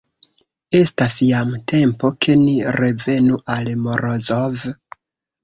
Estas jam tempo, ke ni revenu al Morozov.